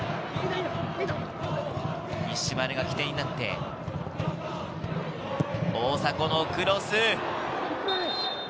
西丸が起点になって、大迫のクロス。